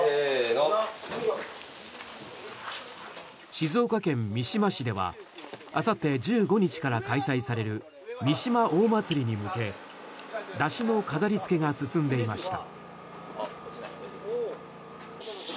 静岡県三島市ではあさって１５日から開催される三嶋大祭りに向け山車の飾りつけが進んでいました。